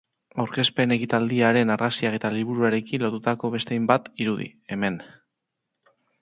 Aurkezpen ekitaldiaren argazkiak eta liburuarekin lotutako beste hainbat irudi, hemen.